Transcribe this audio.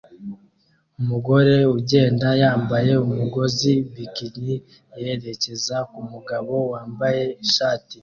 Umugore ugenda yambaye umugozi bikini yerekeza kumugabo wambaye ishati